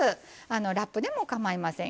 ラップでもかまいませんよ。